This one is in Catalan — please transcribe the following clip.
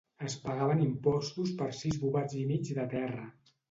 Es pagaven impostos per sis bovats i mig de terra.